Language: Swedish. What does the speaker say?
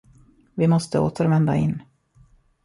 Vi måste återvända in.